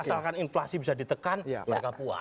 asalkan inflasi bisa ditekan mereka puas